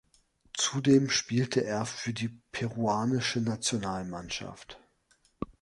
Zudem spielt er für die peruanische Nationalmannschaft.